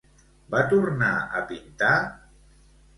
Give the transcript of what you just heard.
Va tornar a pintar?